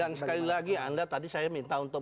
sekali lagi anda tadi saya minta untuk